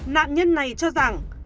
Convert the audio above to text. nạn nhân này cho rằng